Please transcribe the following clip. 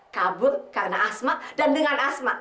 kabur karena asma dan dengan asma